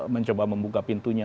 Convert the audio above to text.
mencoba membuka pintunya